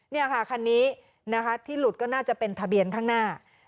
นี่ค่ะคันนี้นะคะที่หลุดก็น่าจะเป็นทะเบียนข้างหน้า